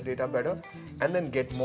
yang dapat kita pasangkan bersama sama